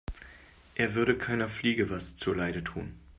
Er würde keiner Fliege was zu Leide tun.